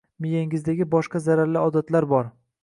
Miyangizdagi boshqa zararli odatlar bor